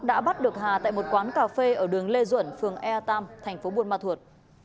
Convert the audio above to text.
đã bắt được hà tại một quán cà phê ở đường lê duẩn phường ea tam thành phố buôn ma thuột